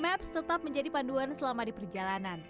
maps tetap menjadi panduan selama di perjalanan